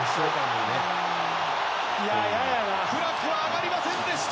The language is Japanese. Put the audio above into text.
フラッグは上がりませんでした。